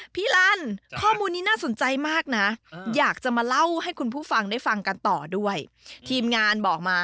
พร้อมไหมคะพี่รัน